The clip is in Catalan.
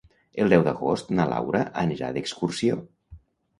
El deu d'agost na Laura anirà d'excursió.